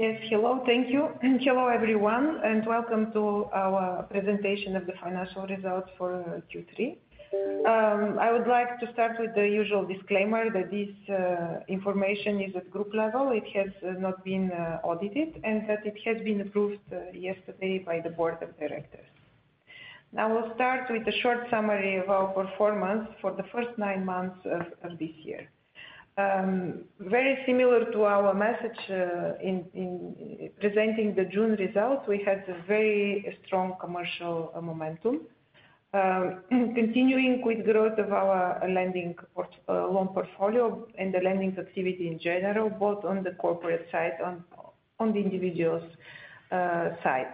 Yes. Hello. Thank you. Hello, everyone, and welcome to our presentation of the financial results for Q3. I would like to start with the usual disclaimer that this information is at group level, it has not been audited, and that it has been approved yesterday by the board of directors. We'll start with a short summary of our performance for the first nine months of this year. Very similar to our message in presenting the June results, we had a very strong commercial momentum, continuing with growth of our loan portfolio and the lending activity in general, both on the corporate side, on the individuals side.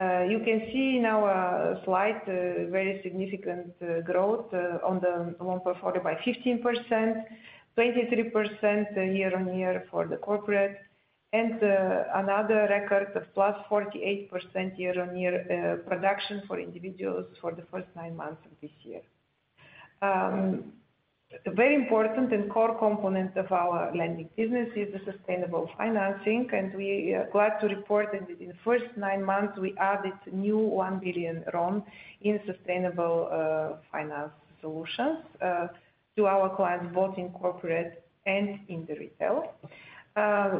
You can see in our slide, very significant growth on the loan portfolio by 15%, +23% year-on-year for the corporate, and another record of +48% year-on-year production for individuals for the first nine months of this year. Very important and core component of our lending business is the sustainable financing, we are glad to report that in the first nine months, we added new 1 billion RON in sustainable finance solutions to our clients, both in corporate and in the retail.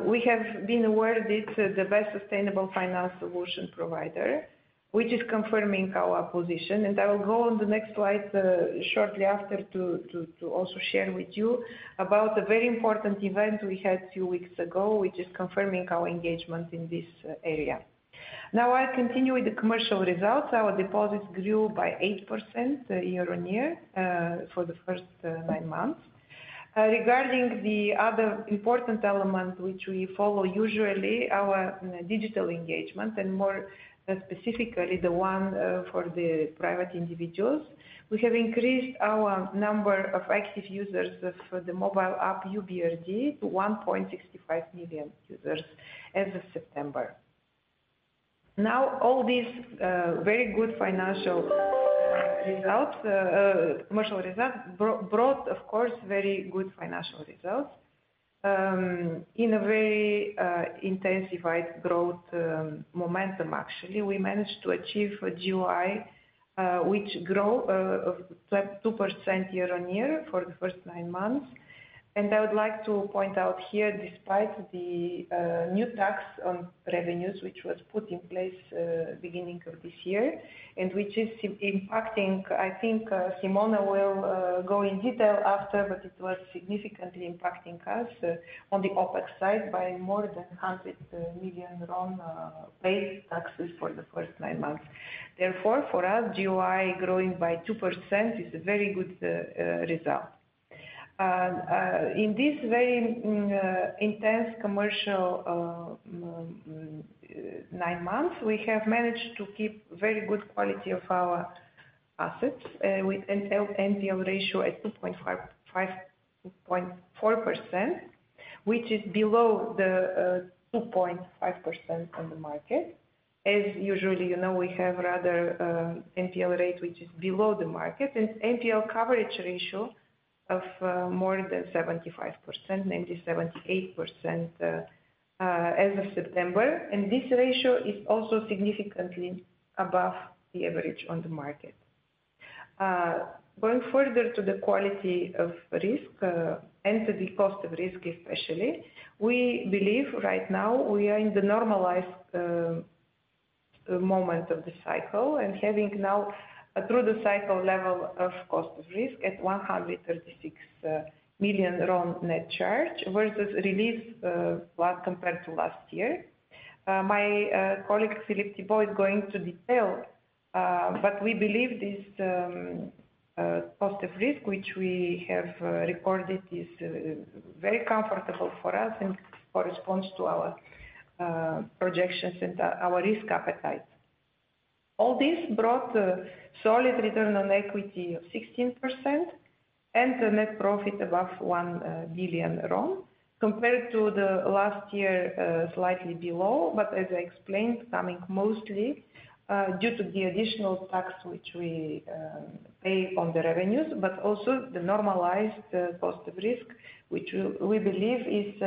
We have been awarded the best sustainable finance solution provider, which is confirming our position. I will go on the next slide shortly after to also share with you about a very important event we had two weeks ago, which is confirming our engagement in this area. I continue with the commercial results. Our deposits grew by 8% year-on-year for the first nine months. Regarding the other important element, which we follow usually, our digital engagement, and more specifically, the one for the private individuals, we have increased our number of active users for the mobile app, YOU BRD, to 1.65 million users as of September. All these very good commercial results brought, of course, very good financial results in a very intensified growth momentum, actually. We managed to achieve a NBI, which grew flat 2% year-on-year for the first nine months. I would like to point out here, despite the new tax on revenue, which was put in place beginning of this year, which is impacting, I think Simona will go in detail after, but it was significantly impacting us on the OPEX side by more than 100 million RON paid taxes for the first nine months. For us, NBI growing by 2% is a very good result. In this very intense commercial nine months, we have managed to keep very good quality of our assets with NPL ratio at 2.4%, which is below the 2.5% on the market. As usual, we have rather NPL rate, which is below the market. NPL coverage ratio of more than 75%, maybe 78% as of September. This ratio is also significantly above the average on the market. Going further to the quality of risk and to the cost of risk especially, we believe right now we are in the normalized moment of the cycle and having now a through-the-cycle level of cost of risk at 136 million RON net charge versus release compared to last year. My colleague, Philippe Thibaud, is going to detail, but we believe this cost of risk, which we have recorded, is very comfortable for us and corresponds to our projections and our risk appetite. All this brought solid return on equity of 16% and a net profit above RON 1 billion, compared to the last year, slightly below, but as I explained, coming mostly due to the additional tax which we pay on the revenues, but also the normalized cost of risk, which we believe is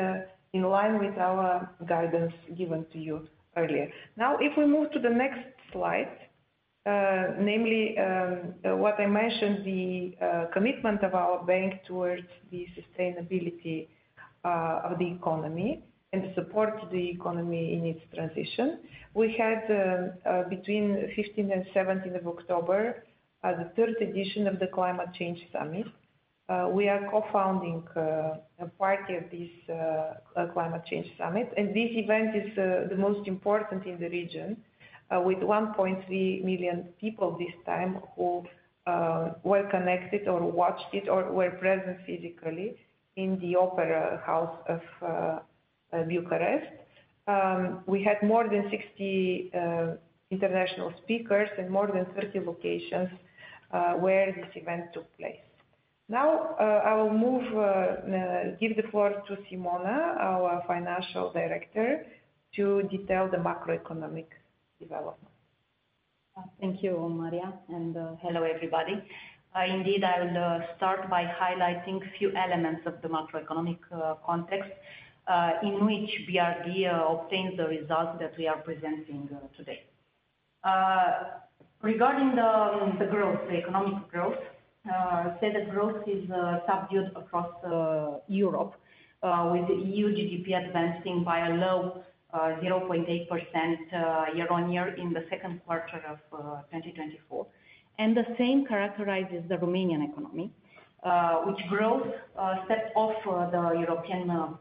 in line with our guidance given to you earlier. If we move to the next slide, namely, what I mentioned, the commitment of our bank towards the sustainability of the economy and to support the economy in its transition. We had between 15th and 17th of October, the third edition of the Climate Change Summit. We are co-funding a part of this Climate Change Summit, and this event is the most important in the region, with 1.3 million people this time who were connected, or watched it, or were present physically in the Opera House of Bucharest. We had more than 60 international speakers and more than 30 locations where this event took place. I will give the floor to Simona, our Finance Executive Director, to detail the macroeconomic development. Thank you, Maria, and hello, everybody. Indeed, I'll start by highlighting a few elements of the macroeconomic context in which BRD obtains the results that we are presenting today. Regarding the economic growth, say that growth is subdued across Europe, with EU GDP advancing by a low 0.8% year-over-year in the second quarter of 2024. The same characterizes the Romanian economy, which growth steps off the European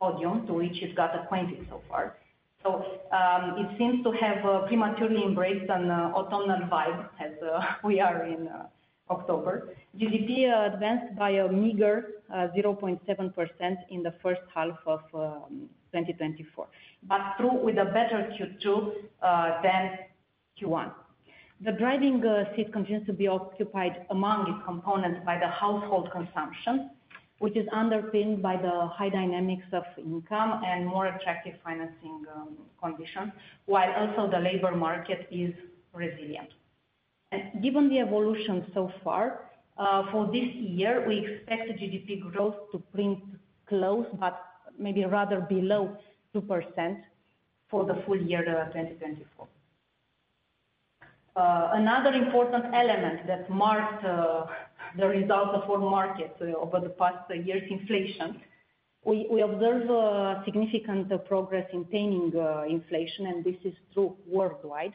podium to which it got acquainted so far. It seems to have prematurely embraced an autumnal vibe as we are in October. GDP advanced by a meager 0.7% in the first half of 2024, but through with a better Q2 than Q1. The driving seat continues to be occupied among its components by the household consumption, which is underpinned by the high dynamics of income and more attractive financing conditions, while also the labor market is resilient. Given the evolution so far, for this year, we expect the GDP growth to print close but maybe rather below 2% for the full year of 2024. Another important element that marked the results of all markets over the past year's inflation. We observe a significant progress in taming inflation, this is true worldwide.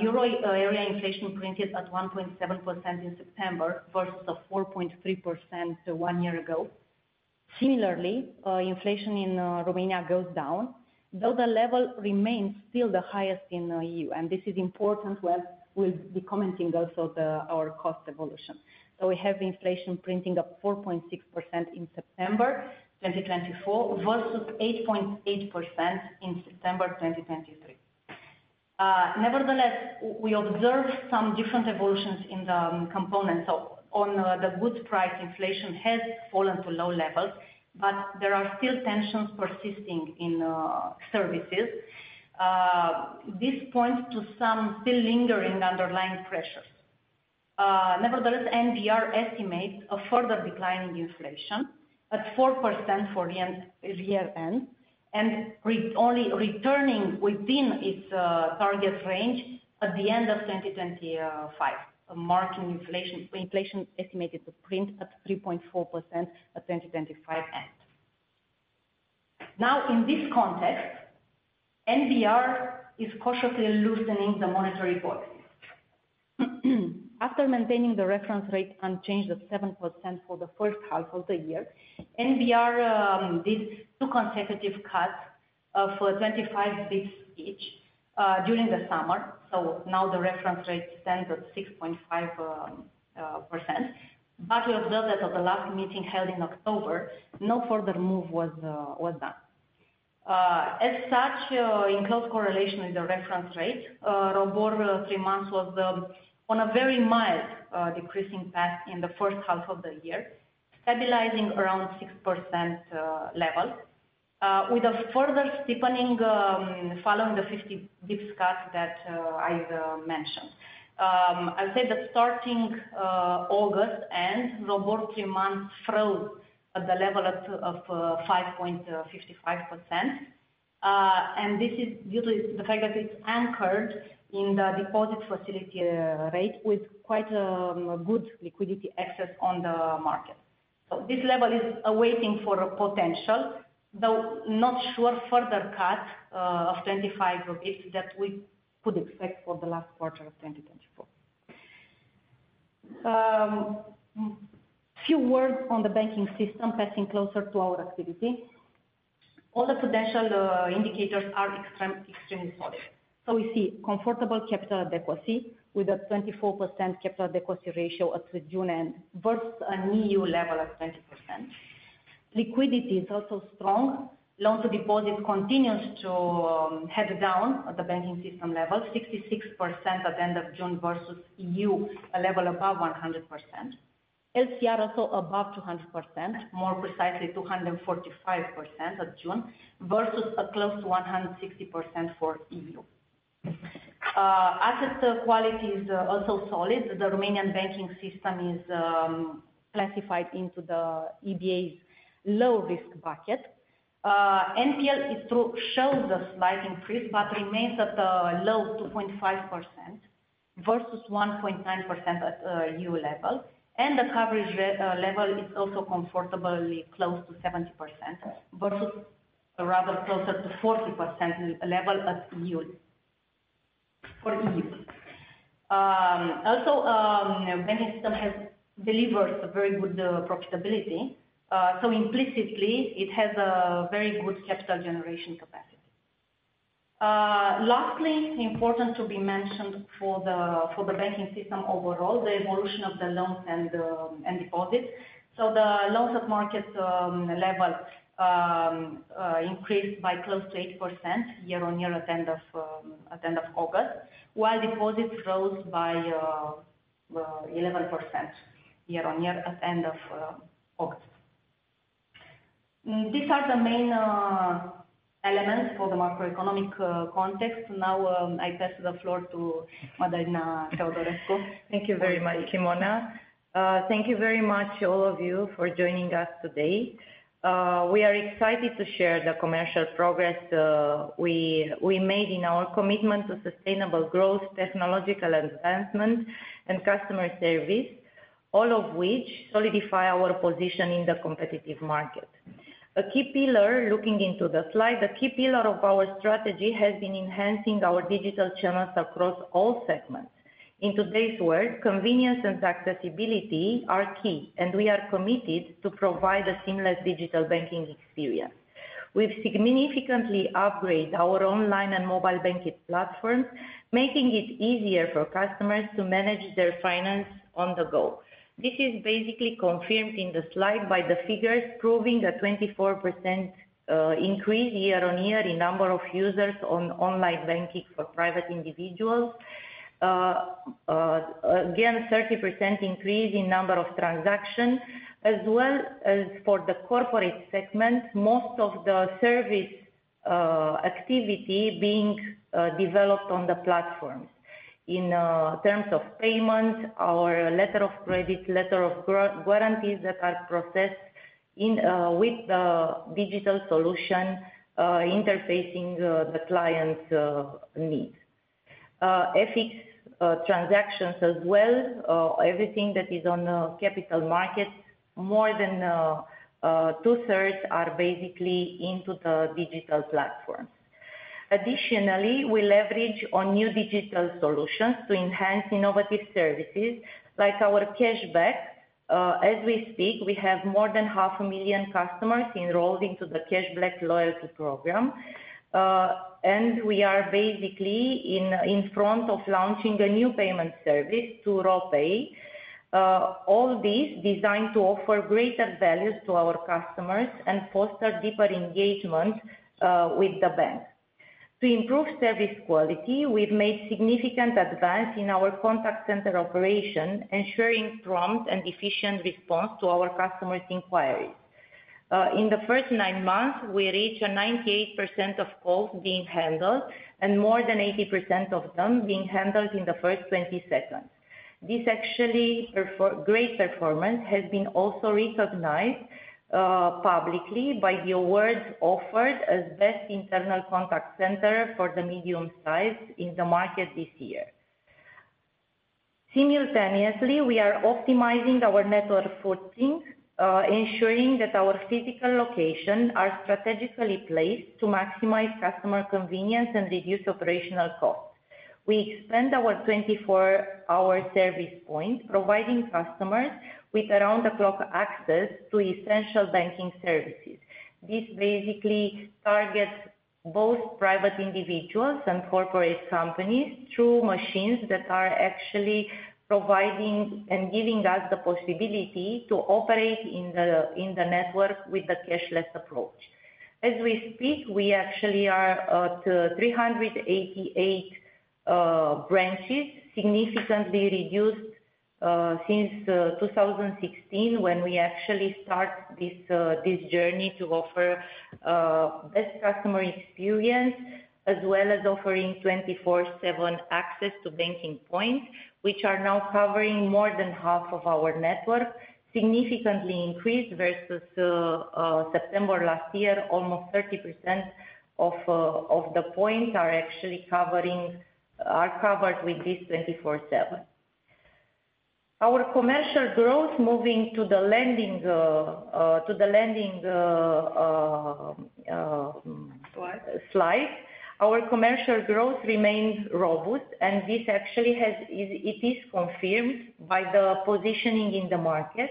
Euro area inflation printed at 1.7% in September versus the 4.3% one year ago. Similarly, inflation in Romania goes down, though the level remains still the highest in the EU, this is important when we'll be commenting also our cost evolution. We have inflation printing up 4.6% in September 2024 versus 8.8% in September 2023. Nevertheless, we observe some different evolutions in the components. On the goods price inflation has fallen to low levels, but there are still tensions persisting in services. This points to some still lingering underlying pressures. Nevertheless, NBR estimates a further decline in inflation at 4% for the year end and only returning within its target range at the end of 2025, marking inflation estimated to print at 3.4% at 2025 end. In this context, NBR is cautiously loosening the monetary policy. After maintaining the reference rate unchanged at 7% for the first half of the year, NBR did 2 consecutive cuts of 25 basis points each during the summer. Now the reference rate stands at 6.5%. We observe that at the last meeting held in October, no further move was done. As such, in close correlation with the reference rate, ROBOR three months was on a very mild decreasing path in the first half of the year, stabilizing around 6% level, with a further steepening following the 50 basis points cut that I've mentioned. I'll say that starting August end, ROBOR three months froze at the level of 5.55%. This is due to the fact that it's anchored in the deposit facility rate with quite a good liquidity excess on the market. This level is waiting for a potential, though not sure, further cut of 25 basis points that we could expect for the last quarter of 2024. A few words on the banking system passing closer to our activity. All the prudential indicators are extremely solid. We see comfortable capital adequacy with a 24% capital adequacy ratio as of June end versus an EU level of 20%. Liquidity is also strong. Loan to deposit continues to head down at the banking system level, 66% at the end of June versus EU, a level above 100%. LCR also above 200%, more precisely 245% at June, versus a close to 160% for EU. Asset quality is also solid. The Romanian banking system is classified into the EBA's low-risk bucket. NPL shows a slight increase but remains at a low 2.5% versus 1.9% at EU level. The coverage level is also comfortably close to 70% versus a rather closer to 40% level at EU. Banking system has delivered a very good profitability. Implicitly it has a very good capital generation capacity. Lastly, important to be mentioned for the banking system overall, the evolution of the loans and deposits. The loans at market level increased by close to 8% year-on-year at end of August, while deposits rose by 11% year-on-year at end of August. These are the main elements for the macroeconomic context. I pass the floor to Mădălina Teodorescu. Thank you very much, Simona. Thank you very much all of you for joining us today. We are excited to share the commercial progress we made in our commitment to sustainable growth, technological advancement, and customer service, all of which solidify our position in the competitive market. Looking into the slide, the key pillar of our strategy has been enhancing our digital channels across all segments. In today's world, convenience and accessibility are key. We are committed to provide a seamless digital banking experience. We've significantly upgraded our online and mobile banking platforms, making it easier for customers to manage their finance on the go. This is basically confirmed in the slide by the figures proving a 24% increase year-on-year in number of users on online banking for private individuals. 30% increase in number of transactions as well as for the corporate segment, most of the service activity being developed on the platforms. In terms of payment or letter of credit, letter of guarantees that are processed with the digital solution interfacing the client's needs. FX transactions as well, everything that is on the capital market, more than two-thirds are basically into the digital platform. Additionally, we leverage on new digital solutions to enhance innovative services like our cashback. As we speak, we have more than half a million customers enrolled into the cashback loyalty program, we are basically in front of launching a new payment service, 2RO Pay. All these designed to offer greater values to our customers and foster deeper engagement with the bank. To improve service quality, we've made significant advance in our contact center operation, ensuring prompt and efficient response to our customers' inquiries. In the first nine months, we reached a 98% of calls being handled more than 80% of them being handled in the first 20 seconds. This actually great performance has been also recognized publicly by the awards offered as best internal contact center for the medium size in the market this year. Simultaneously, we are optimizing our network footprint, ensuring that our physical locations are strategically placed to maximize customer convenience and reduce operational costs. We expand our 24-hour service point, providing customers with around-the-clock access to essential banking services. This basically targets both private individuals and corporate companies through machines that are actually providing and giving us the possibility to operate in the network with the cashless approach. As we speak, we actually are at 388 branches, significantly reduced since 2016 when we actually start this journey to offer best customer experience, as well as offering 24/7 access to banking points, which are now covering more than half of our network, significantly increased versus September last year. Almost 30% of the points are covered with this 24/7. Our commercial growth, moving to the lending slide. Slide Our commercial growth remains robust, this actually it is confirmed by the positioning in the market.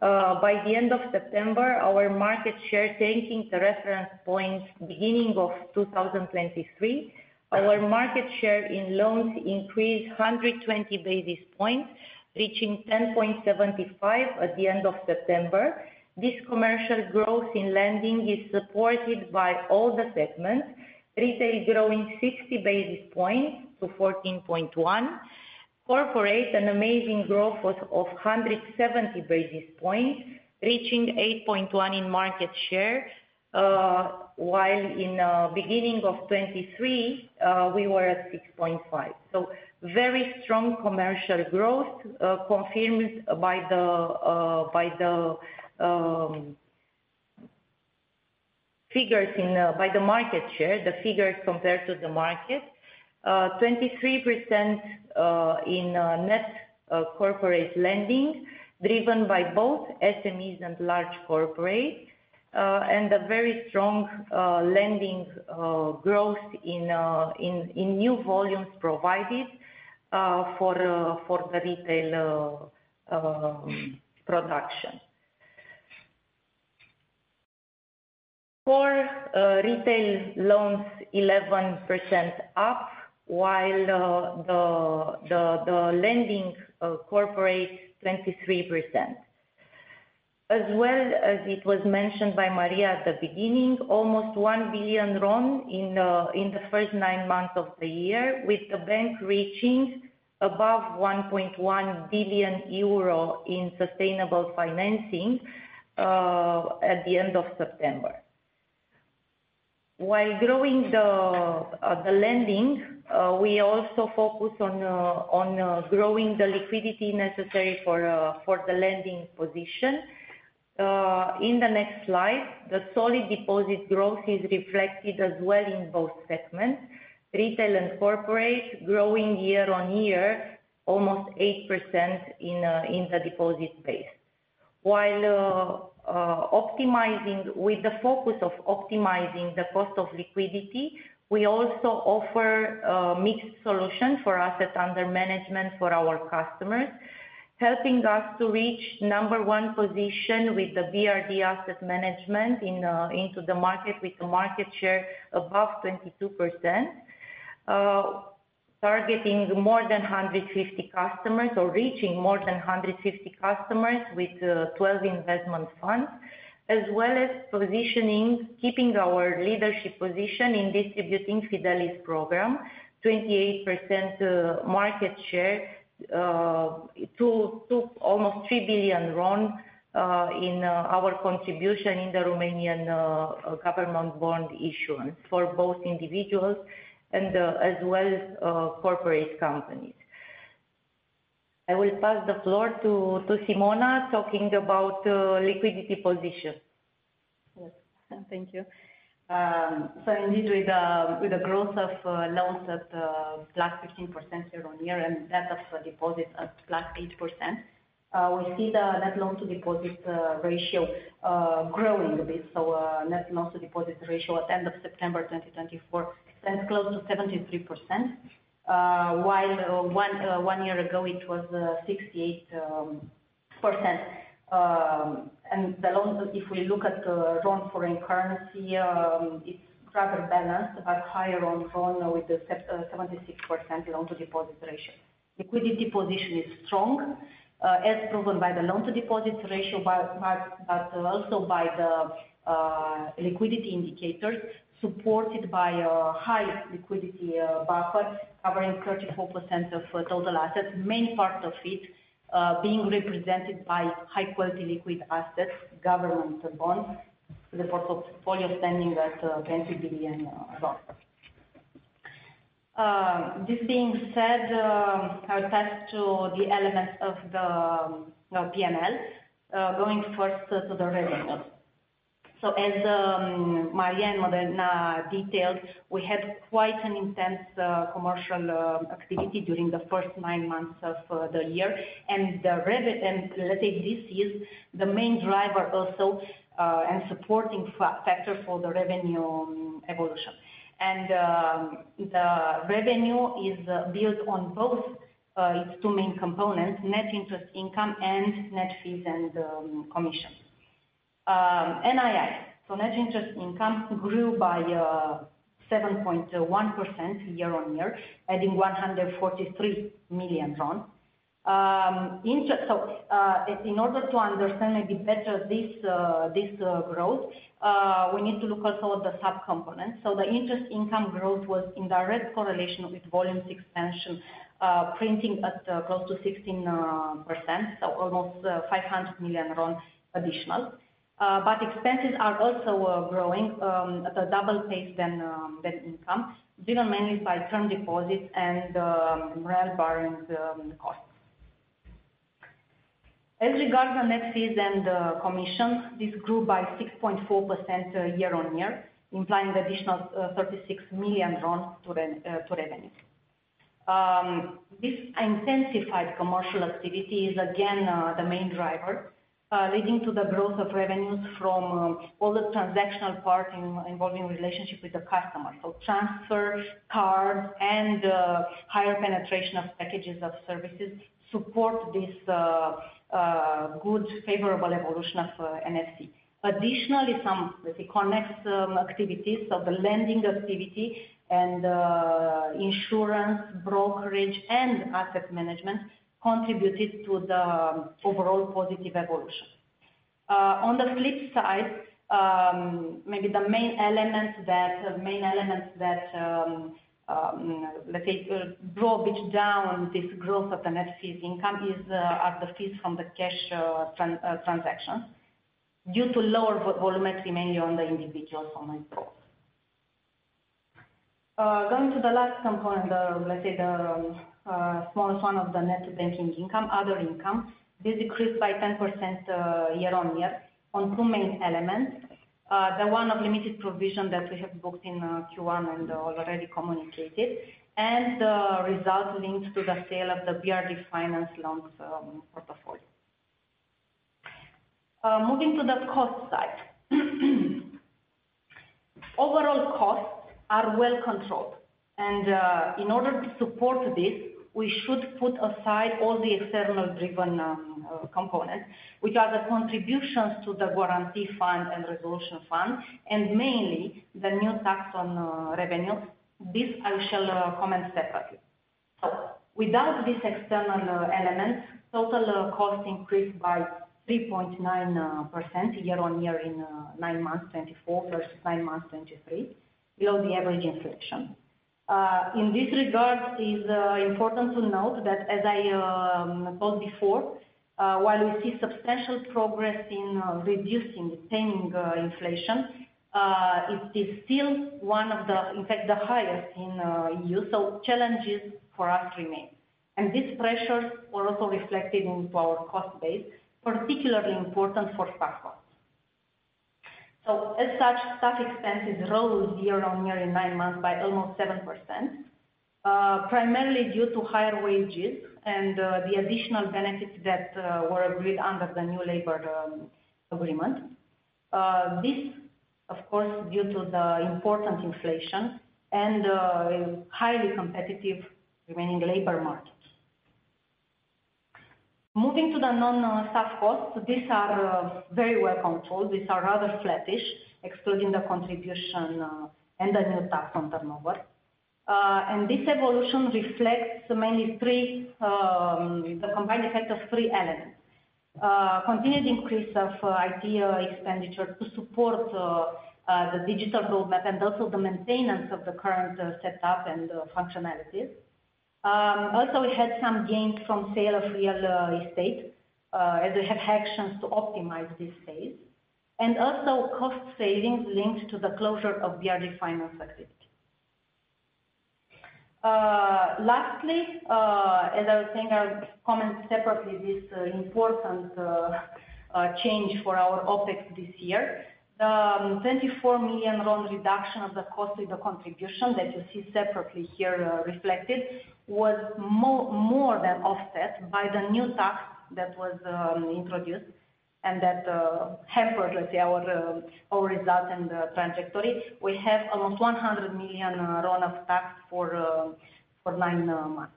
By the end of September, our market share taking the reference point beginning of 2023, our market share in loans increased 120 basis points, reaching 10.75 at the end of September. This commercial growth in lending is supported by all the segments, retail growing 60 basis points to 14.1. Corporate, an amazing growth of 170 basis points, reaching 8.1 in market share, while in beginning of 2023, we were at 6.5. Very strong commercial growth, confirmed by the market share, the figures compared to the market. 23% in net corporate lending, driven by both SMEs and large corporate, a very strong lending growth in new volumes provided for the retail production. For retail loans, 11% up, while the lending corporate, 23%. As well as it was mentioned by Maria at the beginning, almost RON 1 billion in the first nine months of the year, with the bank reaching above 1.1 billion euro in sustainable financing at the end of September. While growing the lending, we also focus on growing the liquidity necessary for the lending position. In the next slide, the solid deposit growth is reflected as well in both segments, retail and corporate, growing year-on-year, almost 8% in the deposit base. While with the focus of optimizing the cost of liquidity, we also offer a mixed solution for assets under management for our customers, helping us to reach number one position with the BRD Asset Management into the market, with a market share above 22%, targeting more than 150 customers or reaching more than 150 customers with 12 investment funds, as well as positioning, keeping our leadership position in distributing Fidelis program, 28% market share to almost RON 3 billion in our contribution in the Romanian government bond issuance for both individuals and as well as corporate companies. I will pass the floor to Simona talking about liquidity position. Yes. Thank you. Indeed, with the growth of loans at +15% year-on-year and that of deposits at +8%, we see the net loan-to-deposit ratio growing a bit. Net loan-to-deposit ratio at the end of September 2024 stands close to 73%, while one year ago it was 68%. If we look at the RON foreign currency, it's rather balanced but higher on RON with the 76% loan-to-deposit ratio. Liquidity position is strong, as proven by the loan-to-deposit ratio, but also by the liquidity indicators supported by a high liquidity buffer covering 34% of total assets, main part of it being represented by high-quality liquid assets, government bonds, with a portfolio standing at RON 20 billion. This being said, I'll pass to the elements of the P&L, going first to the revenue. As Maria and Mădălina detailed, we had quite an intense commercial activity during the first nine months of the year. Let's say this is the main driver also and supporting factor for the revenue evolution. The revenue is built on both its two main components, net interest income and net fees and commission. NII, net interest income grew by 7.1% year-on-year, adding RON 143 million. In order to understand maybe better this growth, we need to look also at the sub-components. The interest income growth was in direct correlation with volumes expansion, printing at close to 16%, almost RON 500 million additional. Expenses are also growing at a double pace than income, driven mainly by term deposits and re-borrowing costs. As regards the net fees and commissions, this grew by 6.4% year on year, implying additional RON 36 million to revenues. This intensified commercial activity is again the main driver leading to the growth of revenues from all the transactional part involving relationship with the customer. Transfers, cards, and higher penetration of packages of services support this good favorable evolution of NFC. Additionally, some, let's say, connect activities, so the lending activity and insurance brokerage and asset management contributed to the overall positive evolution. On the flip side, maybe the main elements that, let's say, brought down this growth of the net fees income are the fees from the cash transactions due to lower volumes, mainly on the individual segment. Going to the last component, let's say the smallest one of the net banking income, other income, this decreased by 10% year on year on two main elements. The one of limited provision that we have booked in Q1 and already communicated, and the result linked to the sale of the BRD Finance loans portfolio. Moving to the cost side. Overall costs are well controlled, and in order to support this, we should put aside all the external-driven components, which are the contributions to the guarantee fund and resolution fund, and mainly the new tax on revenue. This I shall comment separately. Without these external elements, total cost increased by 3.9% year on year in nine months 2024 versus nine months 2023, below the average inflation. In this regard, it's important to note that as I said before, while we see substantial progress in reducing the taming inflation, it is still one of the, in fact, the highest in Europe, challenges for us remain. These pressures were also reflected into our cost base, particularly important for staff costs. As such, staff expenses rose year-on-year in nine months by almost 7%, primarily due to higher wages and the additional benefits that were agreed under the new labor agreement. This, of course, due to the important inflation and highly competitive remaining labor markets. Moving to the non-staff costs, these are very well controlled. These are rather flattish, excluding the contribution and the new tax on turnover. This evolution reflects mainly the combined effect of three elements. Continued increase of IT expenditure to support the digital roadmap and also the maintenance of the current setup and functionalities. Also, we had some gains from sale of real estate, as we have actions to optimize this phase. Cost savings linked to the closure of BRD Finance activity. Lastly, as I was saying, I'll comment separately this important change for our OPEX this year. RON 24 million reduction of the cost of the contribution that you see separately here reflected was more than offset by the new tax that was introduced and that hampered, let's say, our result and trajectory. We have almost RON 100 million of tax for nine months.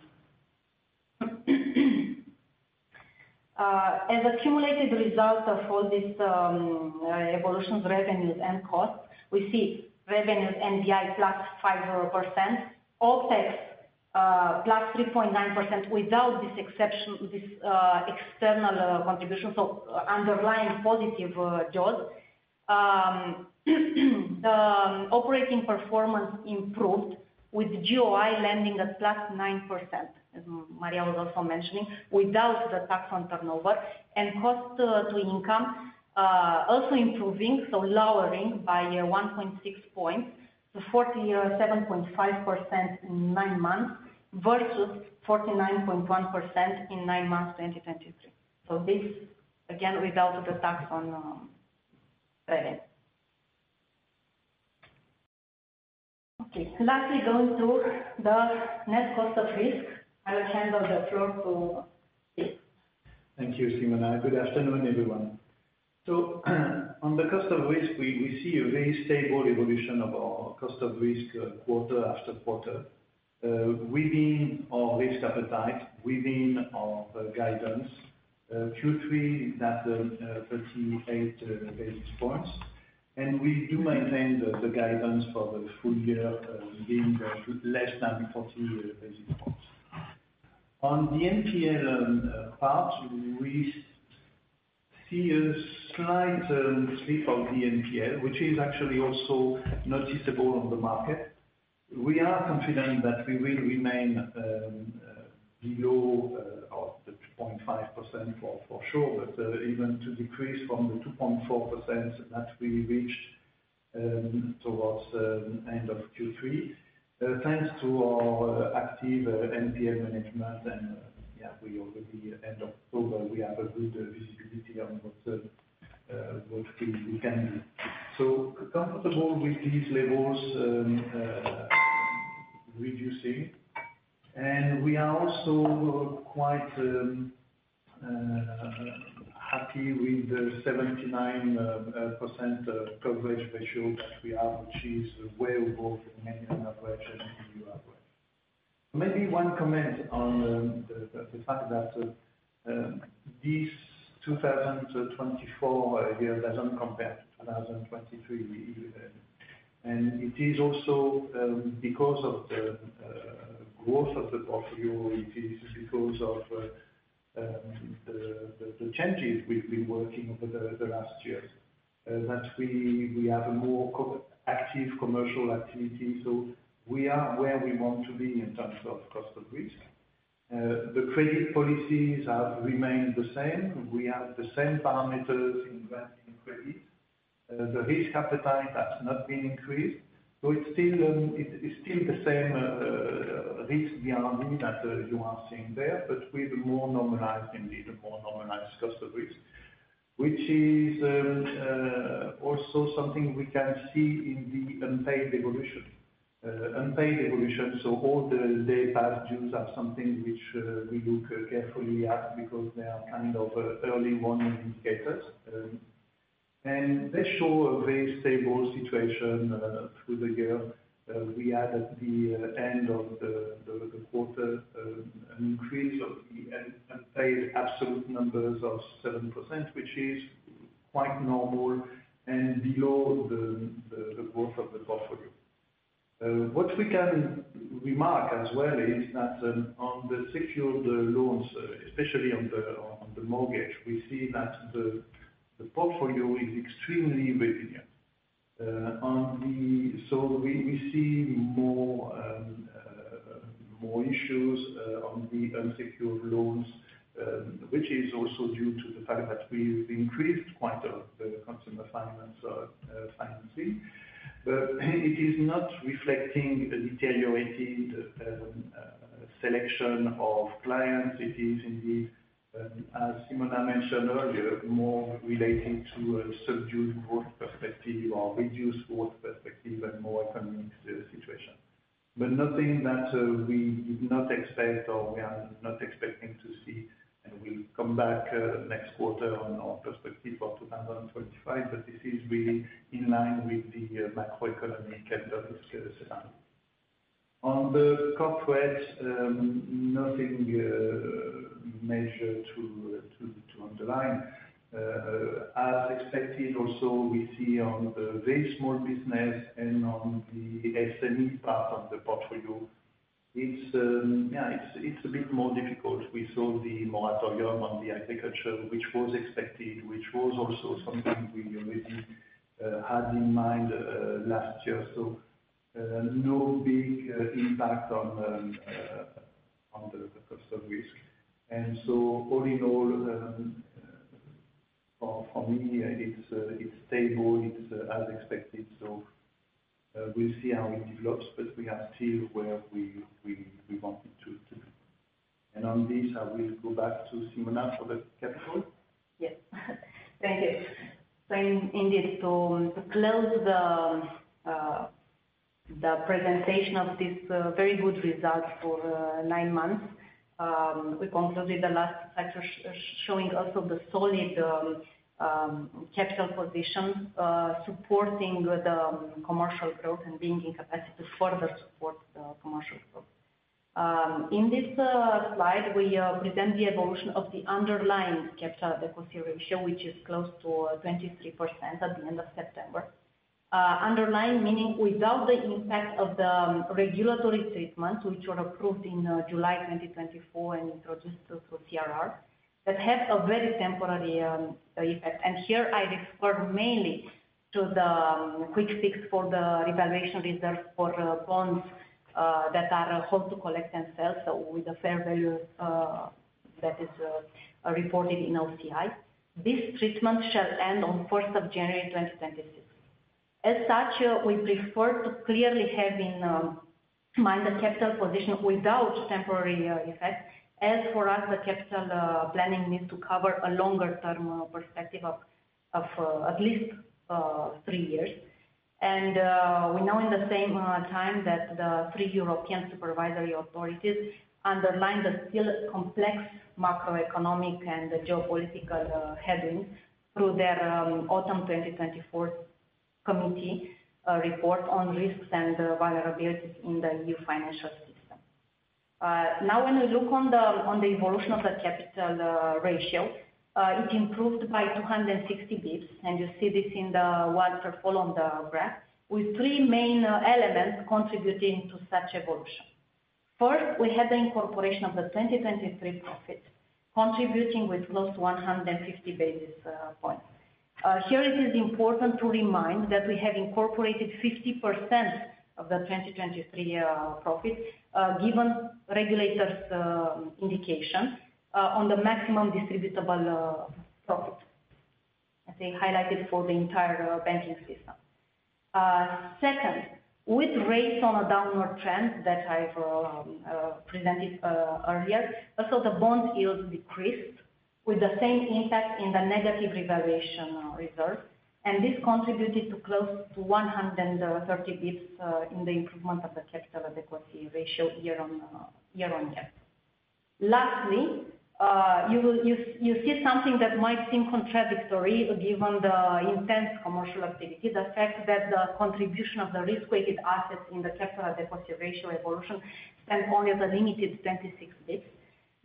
As accumulated results of all these evolutions, revenues, and costs, we see revenues NBI +5%, OPEX +3.9% without this external contribution. Underlying positive jaws. The operating performance improved with GOI landing at +9%, as Maria was also mentioning, without the tax on turnover, and cost to income also improving, so lowering by 1.6 points to 47.5% in nine months versus 49.1% in nine months 2023. This, again, without the tax on revenue. Okay. Lastly, going to the net cost of risk. I will hand over the floor to Philippe. Thank you, Simona. Good afternoon, everyone. On the cost of risk, we see a very stable evolution of our cost of risk quarter after quarter within our risk appetite, within our guidance. Q3 is at 38 basis points, and we do maintain the guidance for the full year being less than 40 basis points. On the NPL part, we see a slight slip of the NPL, which is actually also noticeable on the market. We are confident that we will remain below 2.5% for sure, but even to decrease from 2.4% that we reached towards the end of Q3, thanks to our active NPL management. We already end of October, we have a good visibility on what we can do. Comfortable with these levels reducing, and we are also quite happy with the 79% coverage ratio that we have, which is way above the Romanian average and EU average. Maybe one comment on the fact that this 2024 year doesn't compare to 2023. It is also because of the growth of the portfolio, it is because of the changes we've been working over the last years, that we have a more active commercial activity. We are where we want to be in terms of cost of risk. The credit policies have remained the same. We have the same parameters in granting credit. The risk appetite has not been increased. It's still the same risk we are running that you are seeing there, but with more normalized, indeed, a more normalized cost of risk, which is also something we can see in the unpaid evolution. Unpaid evolution, all the days past due are something which we look carefully at because they are kind of early warning indicators. They show a very stable situation through the year. We had at the end of the quarter an increase of the unpaid absolute numbers of 7%, which is quite normal and below the growth of the portfolio. What we can remark as well is that on the secured loans, especially on the mortgage, we see that the portfolio is extremely resilient. We see more issues on the unsecured loans, which is also due to the fact that we increased quite a lot the BRD Finance financing. It is not reflecting a deteriorating selection of clients. It is indeed, as Simona mentioned earlier, more relating to a subdued growth perspective or reduced growth perspective and more economic situation. Nothing that we did not expect or we are not expecting to see, we'll come back next quarter on our perspective for 2025. This is really in line with the macroeconomic and the risk design. On the corporate, nothing major to underline. As expected, also, we see on the very small business and on the SME part of the portfolio, it's a bit more difficult. We saw the moratorium on the agriculture, which was expected, which was also something we already had in mind last year. No big impact on the cost of risk. All in all, for me, it's stable, it's as expected. We'll see how it develops, but we are still where we wanted to. On this, I will go back to Simona for the capital. Yes. Thank you. Indeed, to close the presentation of this very good result for nine months, we concluded the last slide showing also the solid capital position, supporting the commercial growth and being in capacity to further support the commercial growth. In this slide, we present the evolution of the underlying capital adequacy ratio, which is close to 23% at the end of September. Underlying, meaning without the impact of the regulatory treatments, which were approved in July 2024 and introduced through CRR. That has a very temporary effect. Here I refer mainly to the Quick Fix for the revaluation reserve for the bonds that are held to collect and sell. With the fair value that is reported in OCI. This treatment shall end on 1st of January 2026. As such, we prefer to clearly have in mind the capital position without temporary effect, as for us, the capital planning needs to cover a longer-term perspective of at least three years. We know in the same time that the three European supervisory authorities underlined the still complex macroeconomic and geopolitical headwinds through their Autumn 2024 Committee Report on Risks and Vulnerabilities in the EU financial system. When we look on the evolution of the capital ratio, it improved by 260 basis points. You see this in the white circle on the graph, with three main elements contributing to such evolution. First, we had the incorporation of the 2023 profit, contributing with close to 150 basis points. Here, it is important to remind that we have incorporated 50% of the 2023 profit, given regulators' indication on the maximum distributable profit, as they highlighted for the entire banking system. Second, with rates on a downward trend that I presented earlier, also the bond yields decreased with the same impact in the negative revaluation reserve, this contributed to close to 130 basis points in the improvement of the capital adequacy ratio year-on-year. Lastly, you see something that might seem contradictory, given the intense commercial activity, the fact that the contribution of the risk-weighted assets in the capital adequacy ratio evolution stands only at the limited 26 basis points.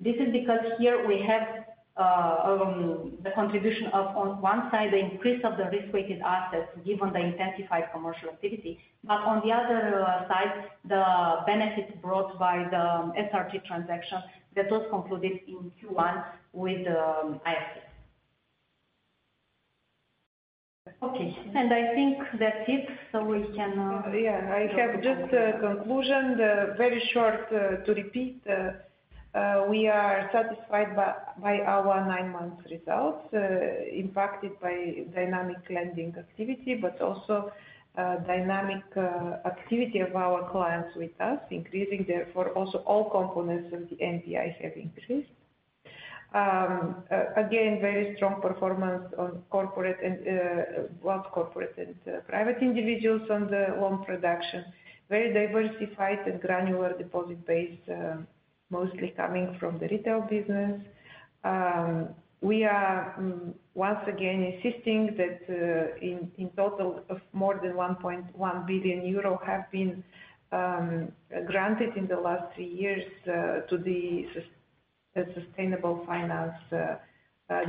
This is because here we have the contribution of, on one side, the increase of the risk-weighted assets, given the intensified commercial activity. On the other side, the benefit brought by the SRT transaction that was concluded in Q1 with IFC. Okay. I think that's it. Yeah, I have just a conclusion, very short. To repeat, we are satisfied by our nine-month results, impacted by dynamic lending activity, but also dynamic activity of our clients with us, increasing, therefore, also all components of the NBI have increased. Again, very strong performance on corporate and private individuals on the loan production. Very diversified and granular deposit base, mostly coming from the retail business. We are once again insisting that in total of more than 1.1 billion euro have been granted in the last three years to the sustainable finance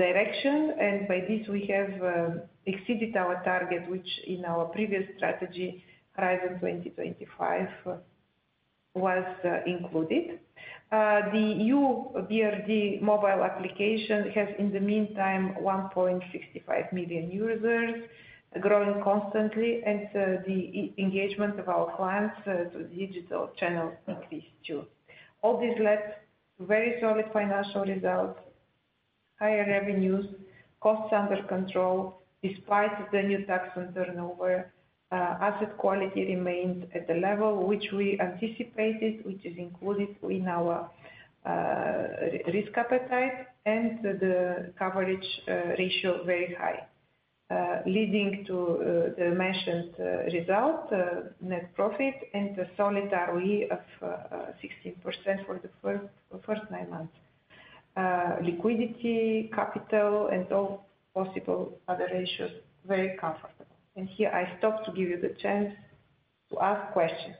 direction. By this, we have exceeded our target, which in our previous strategy, Horizon 2025, was included. The new BRD mobile application has in the meantime, 1.65 million users, growing constantly, and the engagement of our clients to digital channels increased, too. All this led to very solid financial results, higher revenues, costs under control, despite the new tax on turnover. Asset quality remains at the level which we anticipated, which is included in our risk appetite and the coverage ratio, very high, leading to the mentioned result, net profit and a solid ROE of 16% for the first nine months. Liquidity, capital, and all possible other ratios, very comfortable. Here I stop to give you the chance to ask questions.